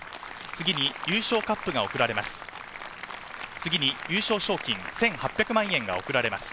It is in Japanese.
次に優勝カップが贈られます。